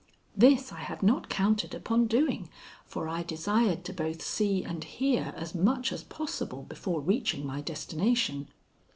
This I had not counted upon doing, for I desired to both see and hear as much as possible before reaching my destination.